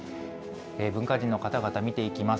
文化人の方々、見ていきます。